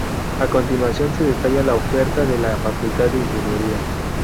A continuación se detalla la oferta de la facultad de ingeniería.